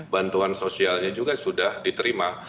bantuan sosialnya juga sudah diterima